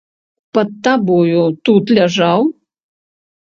Пад табою тут ляжаў?